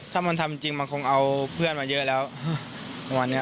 ถ้ามันทำจริงมันคงเอาเพื่อนมาเยอะแล้วประมาณเนี้ย